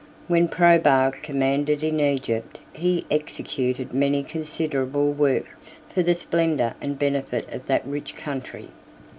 When Probus commanded in Egypt, he executed many considerable works for the splendor and benefit of that rich country.